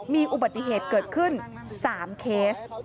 มีอุบัติเหตุเกิดขึ้น๓เคส